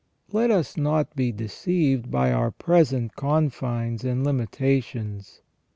Let us not be deceived by our present confines and limitations.